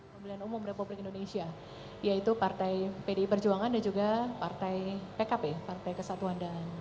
pemilihan umum republik indonesia yaitu partai pdi perjuangan dan juga partai pkp partai kesatuan dan